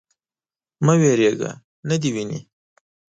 _مه وېرېږه. نه دې ويني.